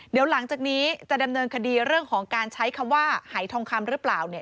เดี๋ยวหลังจากนี้จะดำเนินคดีเรื่องของการใช้คำว่าหายทองคำหรือเปล่าเนี่ย